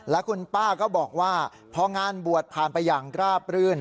แล้วคุณป้าก็บอกว่าพองานบวชผ่านไปอย่างราบรื่น